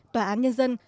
tòa án nhân dân